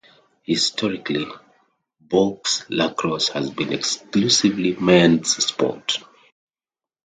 Historically, box lacrosse has been exclusively a men's sport.